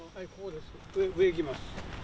上、行きます。